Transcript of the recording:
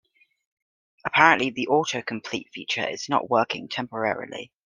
Apparently, the autocomplete feature is not working temporarily.